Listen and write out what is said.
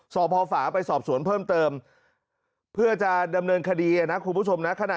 สอบพอฝาไปสอบสวนเพิ่มเติมเพื่อจะดำเนินคดีนะคุณผู้ชมนะ